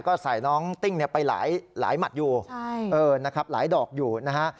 ก็ใส่น้องติ้งไปหลายหมัดอยู่